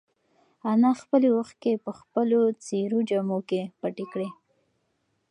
انا خپلې اوښکې په خپلو څېرو جامو کې پټې کړې.